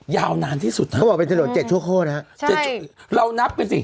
ยาวนานที่สุดเขาบอกเป็นถนน๗ชั่วโค้ดนะครับใช่เรานับ